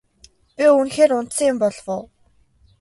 Би үнэхээр унтсан юм болов уу?